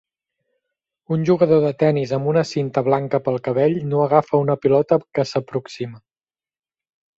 Un jugador de tenis amb una cinta blanca pel cabell no agafa una pilota que s'aproxima